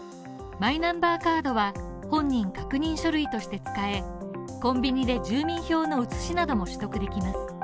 マイナンバーカードは、本人確認書類として使え、コンビニで住民票の写しなども取得できます。